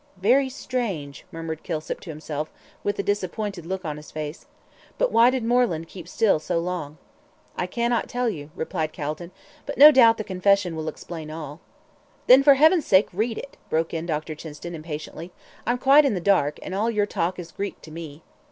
"Very strange," murmured Kilsip, to himself, with a disappointed look on his face. "But why did Moreland keep still so long?" "I cannot tell you," replied Calton, "but, no doubt, the confession will explain all." "Then for Heaven's sake read it," broke in Dr. Chinston, impatiently. "I'm quite in the dark, and all your talk is Greek to me."